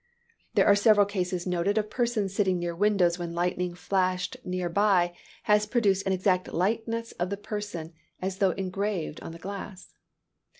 There are several cases noted of persons sitting near windows when lightning flashing near by has produced an exact likeness of the person, as though engraved on the glass.